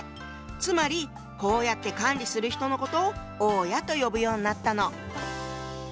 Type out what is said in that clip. つまりこうやって管理する人のことを「大家」と呼ぶようになったの。